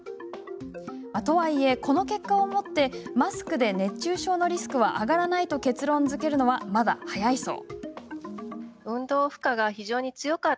とはいえ、この結果をもってマスクで熱中症のリスクは上がらないと結論づけるのはまだ早いそう。